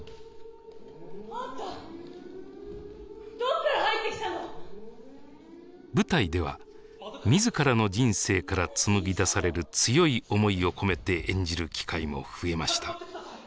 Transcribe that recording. あんたどっから入ってきたの⁉舞台では自らの人生から紡ぎ出される強い思いを込めて演じる機会も増えました。